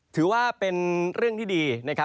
ถือว่าเป็นเรื่องที่ดีนะครับ